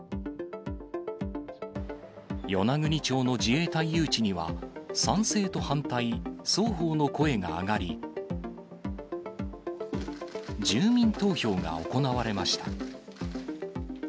与那国町の自衛隊誘致には、賛成と反対、双方の声が上がり、住民投票が行われました。